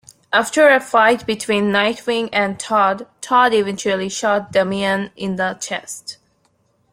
After a fight between Nightwing and Todd, Todd eventually shot Damian in the chest.